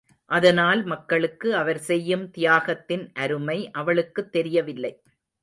அதனால் மக்களுக்கு அவர் செய்யும் தியாகத்தின் அருமை அவளுக்குத் தெரியவில்லை.